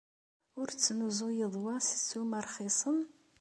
Ur tesnuzuyeḍ wa s ssuma rxisen?